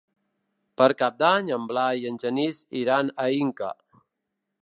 Per Cap d'Any en Blai i en Genís iran a Inca.